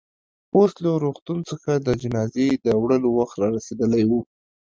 اوس له روغتون څخه د جنازې د وړلو وخت رارسېدلی و.